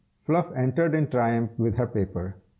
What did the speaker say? Fluff entered in triumph with her paper.